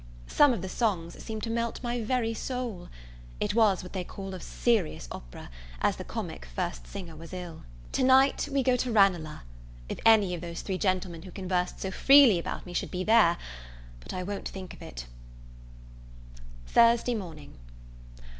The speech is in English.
Some of the songs seemed to melt my very soul. It was what they call a serious opera, as the comic first singer was ill. To night we go to Ranelagh. If any of those three gentlemen who conversed so freely about me should be there but I won't think of it. Thursday Morning.